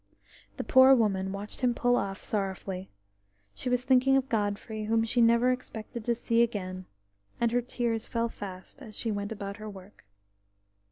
The poor woman watched him pull off sorrowfully; she was thinking of Godfrey, whom she never expected to see again, and her tears fell fast as she went about her work.